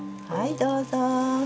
はいどうぞ。